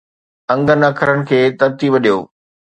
انگن اکرن کي ترتيب ڏيو